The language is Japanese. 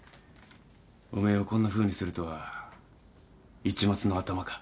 おめえをこんなふうにするとは市松のアタマか？